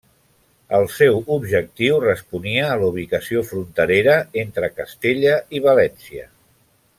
El seu objectiu responia a la ubicació fronterera entre Castella i València.